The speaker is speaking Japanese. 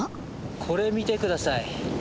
これ見て下さい。